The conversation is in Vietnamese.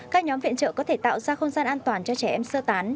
các nhóm viện trợ có thể tạo ra không gian an toàn cho trẻ em sơ tán